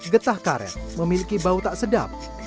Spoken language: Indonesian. getah karet memiliki bau tak sedap